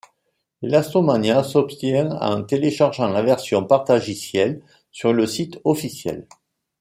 Elastomania s'obtient en téléchargant la version partagiciel sur le site officiel.